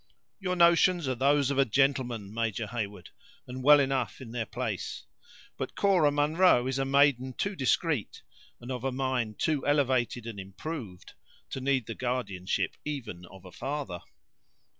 "Your notions are those of a gentleman, Major Heyward, and well enough in their place. But Cora Munro is a maiden too discreet, and of a mind too elevated and improved, to need the guardianship even of a father."